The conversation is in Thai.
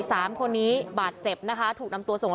สามคนนี้บาดเจ็บนะคะถูกนำตัวส่ง